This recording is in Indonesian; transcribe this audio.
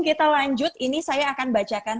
kita lanjut ini saya akan bacakan